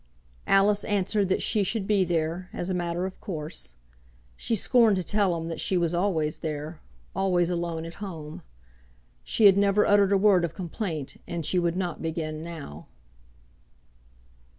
Alice answered that she should be there, as a matter of course. She scorned to tell him that she was always there, always alone at home. She had never uttered a word of complaint, and she would not begin now.